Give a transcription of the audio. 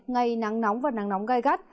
ngày nắng nóng và nắng nóng gai gắt